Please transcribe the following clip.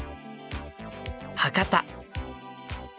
博多。